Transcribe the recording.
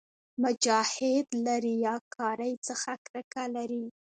مجاهد له ریاکارۍ څخه کرکه لري.